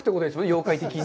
妖怪的に。